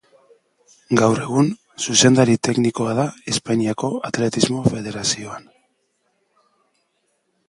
Gaur egun zuzendari teknikoa da Espainiako Atletismo Federazioan.